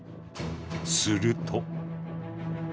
すると。